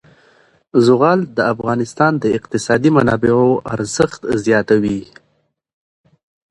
زغال د افغانستان د اقتصادي منابعو ارزښت زیاتوي.